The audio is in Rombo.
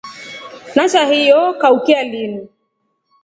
Nasha hiyo kaukya linu.